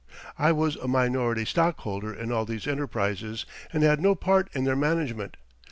I was a minority stockholder in all these enterprises, and had no part in their management.